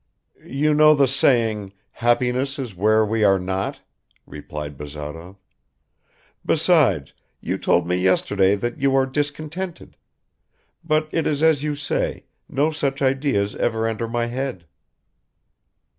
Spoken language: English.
"You know the saying, 'Happiness is where we are not,'" replied Bazarov. "Besides, you told me yesterday that you are discontented. But it is as you say, no such ideas ever enter my head."